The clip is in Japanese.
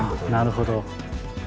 なるほど。